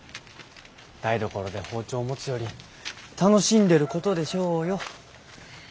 台所で包丁を持つより楽しんでることでしょうよ。